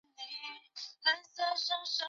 克吕维耶尔拉斯库尔。